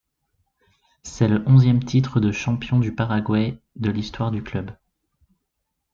C'est le onzième titre de champion du Paraguay de l'histoire du club.